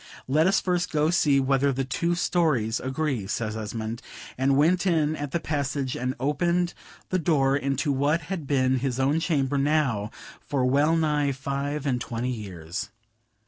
"Let us first go see whether the two stories agree," says Esmond; and went in at the passage and opened the door into what had been his own chamber now for wellnigh five and twenty years.